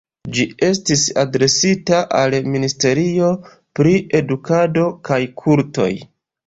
Ĝi estis adresita al la ministerio pri edukado kaj kultoj.